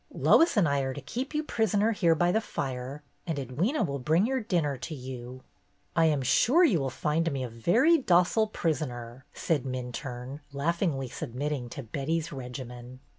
Lois and I are to keep you prisoner here by the fire, and Edwyna will bring your dinner to you." "I am sure you will find me a very docile prisoner," said Minturne, laughingly submit ting to Betty's regimen.